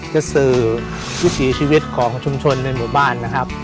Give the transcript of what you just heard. จะสื่อวิถีชีวิตของชุมชนในหมู่บ้านนะครับ